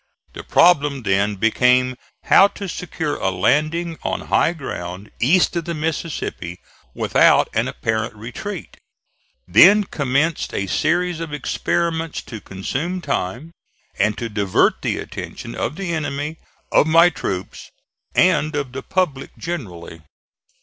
The problem then became, how to secure a landing on high ground east of the Mississippi without an apparent retreat. Then commenced a series of experiments to consume time, and to divert the attention of the enemy, of my troops and of the public generally.